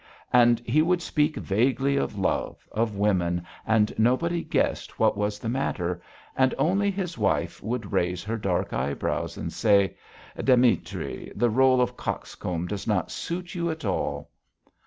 And he would speak vaguely of love, of women, and nobody guessed what was the matter, and only his wife would raise her dark eyebrows and say: "Demitri, the rôle of coxcomb does not suit you at all."